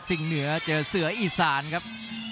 เหนือเจอเสืออีสานครับ